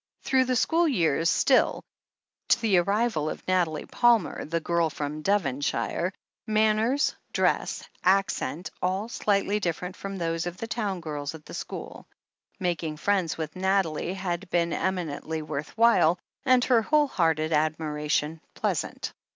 Through the school years still — ^to the arrival of Nathalie Palmer, the girl from Devonshire. Manners —dress — ^accent — ^all slightly different from those of the town girls at the school. Making friends with Nathalie had been eminently worth while, and her whole hearted admiration pleasant.